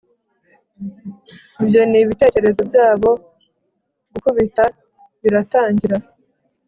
ibyo nibitekerezo byabo, gukubita biratangira